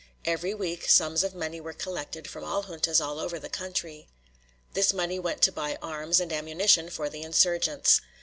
Every week sums of money were collected from juntas all over the country. This money went to buy arms and ammunition for the insurgents.